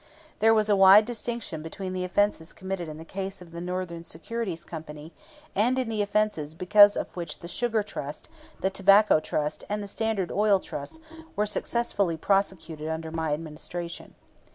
There was a wide distinction between the offenses committed in the case of the Northern Securities Company, and the offenses because of which the Sugar Trust, the Tobacco Trust, and the Standard Oil Trust were successfully prosecuted under my Administration.